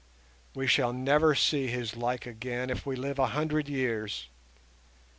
We shall never see his like again if we live a hundred years.